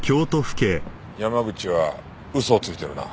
山口は嘘をついているな。